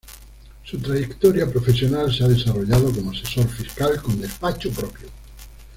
Su trayectoria profesional se ha desarrollado como asesor fiscal con despacho propio.